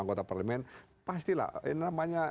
anggota parlemen pastilah namanya